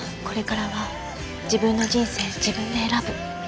これからは自分の人生自分で選ぶ。